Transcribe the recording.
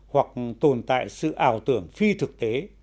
hoặc tồn tại sự ảo tưởng phi thực tế